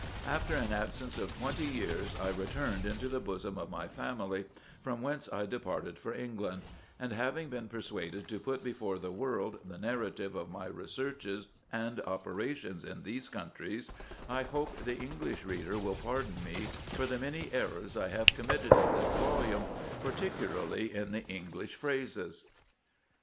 After an absence of twenty years I returned into the bosom of my family, from whence I departed for England ; and having been persuaded to put before the world the narrative of my researches and operations in these countries, I hope the English reader will pardon me for the many errors I have committed in this volume, particularly in the English phrases.